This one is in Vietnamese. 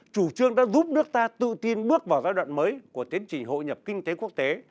chủ trương đã giúp nước ta tự tin bước vào giai đoạn mới của tiến trình hội nhập kinh tế quốc tế